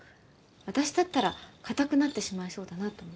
私だったら硬くなってしまいそうだなと思って。